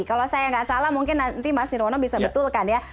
kalau saya nggak salah mungkin nanti mas nirwono bisa betulkan ya